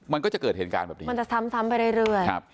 มันก็จะเกิดเหตุการณ์แบบนี้มันจะซ้ำไปเรื่อยครับ